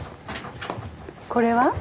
これは？